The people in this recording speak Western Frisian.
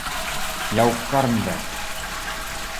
Jou karren wer.